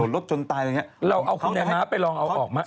เราเอาคุณใหม่พาไปเอาออกมา